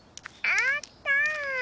あった！